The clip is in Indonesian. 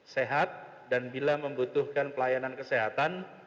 sehat dan bila membutuhkan pelayanan kesehatan